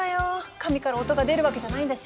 紙から音が出るわけじゃないんだし。